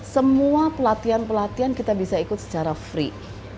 semua pelatihan pelatihan kita bisa ikut secara free